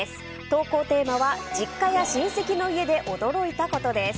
投稿テーマは、実家や親戚の家で驚いたことです。